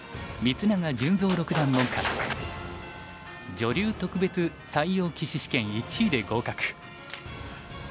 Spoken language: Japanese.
女流特別採用棋士試験１位で合格。